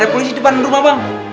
polisi depan rumah bang